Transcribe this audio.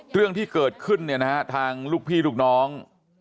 เรื่องที่เกิดขึ้นเนี่ยนะฮะทางลูกพี่ลูกน้อง